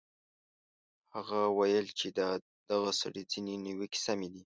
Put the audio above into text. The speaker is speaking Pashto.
هغه ویل چې د دغه سړي ځینې نیوکې سمې دي.